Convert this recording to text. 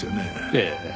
ええ。